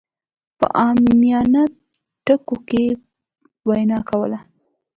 په عاميانه ټکو کې يې وينا کوله.